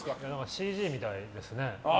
ＣＧみたいですね。